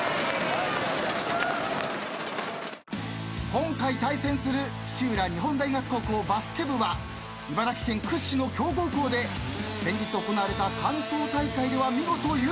今回対戦する土浦日本大学高校バスケ部は茨城県屈指の強豪校で先日行われた関東大会では見事優勝！